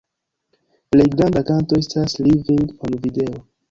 Plej granda kanto estas „Living on Video”.